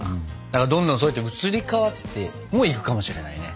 だからどんどんそうやって移り変わってもいくかもしれないね。